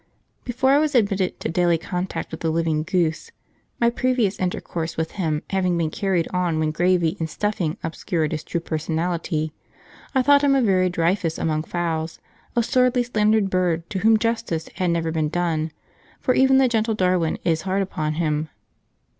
Before I was admitted into daily contact with the living goose (my previous intercourse with him having been carried on when gravy and stuffing obscured his true personality), I thought him a very Dreyfus among fowls, a sorely slandered bird, to whom justice had never been done; for even the gentle Darwin is hard upon him.